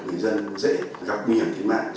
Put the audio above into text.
người dân dễ gặp nguy hiểm thí mạng